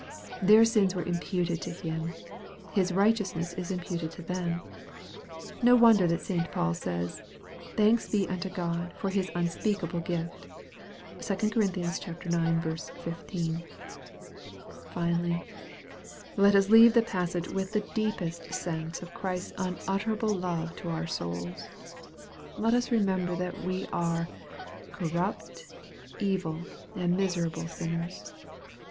Their sins were imputed to Him. His righteousness is imputed to them. No wonder that St. Paul says, " Thanks be unto God for His unspeakable gift." (2 Cor. ix. 15.) Finally, let us leave the passage with the deepest 344 EXPOSITORY THOUGHTS. sense of Christ's unutterable love to our souls. Let ra remember what we are, corrupt, evil, and miserable sin ners.